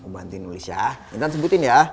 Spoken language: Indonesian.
bantuin nulis ya